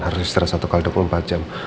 harus istirahat satu x dua puluh empat jam